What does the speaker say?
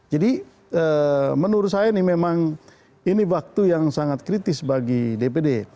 jadi menurut saya ini memang ini waktu yang sangat kritis bagi dpd